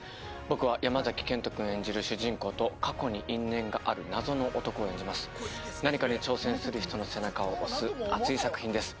僕は山賢人君演じる主人公と過去に因縁がある謎の男を演じます何かに挑戦する人の背中を押す熱い作品です